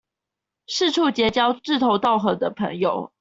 四處結交志同道合的朋友